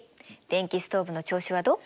電気ストーブの調子はどう？